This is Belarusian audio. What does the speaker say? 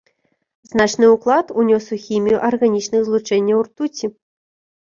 Значны ўклад унёс у хімію арганічных злучэнняў ртуці.